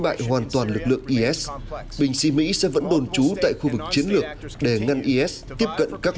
bại hoàn toàn lực lượng is binh sĩ mỹ sẽ vẫn đồn trú tại khu vực chiến lược để ngăn is tiếp cận các